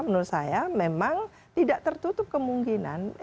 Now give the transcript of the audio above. menurut saya memang tidak tertutup kemungkinan